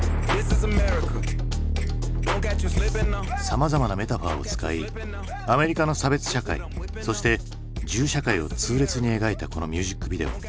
さまざまなメタファーを使いアメリカの差別社会そして銃社会を痛烈に描いたこのミュージックビデオ。